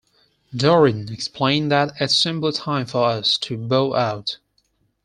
Dorrian explained that It's simply time for us to bow out.